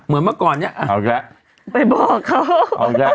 เมื่อก่อนเนี้ยเอาอีกแล้วไปบอกเขาเอาอีกแล้ว